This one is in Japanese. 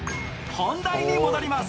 本題に戻ります。